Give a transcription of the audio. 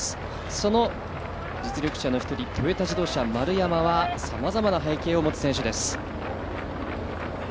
その実力者の一人トヨタ自動車・丸山はさまざまな背景を持つ選手です。